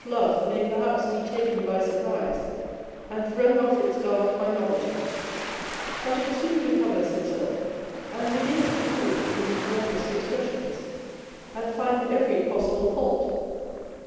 145 Belf love may perhaps be taken by surprise and thrown off its guard by novelty ; but it soon recovers itself, and begins to cool in its warmest expressions, and find every possible fault.